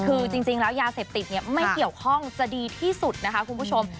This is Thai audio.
คือจริงแล้วยาเสพติดเนี่ยไม่เกี่ยวข้องจะดีที่สุดนะคะคุณผู้ชม